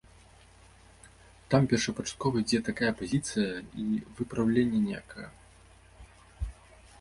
Там першапачаткова ідзе такая пазіцыя, і выпраўлення ніякага.